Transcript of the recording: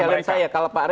itu lebih ke challenge saya